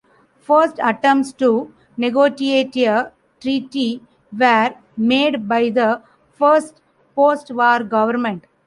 First attempts to negotiate a treaty were made by the first post-war government.